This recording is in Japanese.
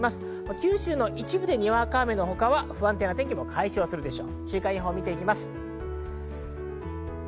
九州の一部でにわか雨のほかは不安定な天気が回復するでしょう。